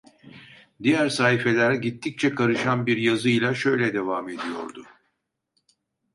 Diğer sahifeler gittikçe karışan bir yazıyla şöyle devam ediyordu: